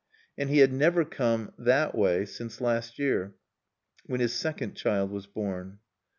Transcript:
And he had never come ("that way") since last year, when his second child was born.